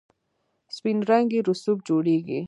سپین رنګی رسوب جوړیږي.